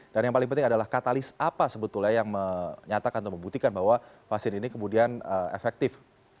dan yang paling penting adalah katalis apa sebetulnya yang menyatakan atau membuktikan bahwa vaksin ini kemudian efektif